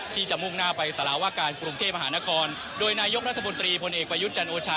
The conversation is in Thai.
ที่จะมุ่งหน้าไปสารวาการกรุงเทพมหานครโดยนายกรัฐมนตรีพลเอกประยุทธ์จันโอชา